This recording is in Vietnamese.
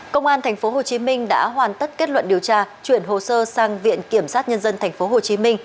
công an tp hcm đã hoàn tất kết luận điều tra chuyển hồ sơ sang viện kiểm sát nhân dân tp hcm